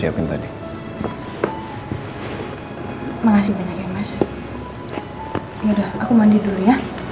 yaudah aku mandi dulu ya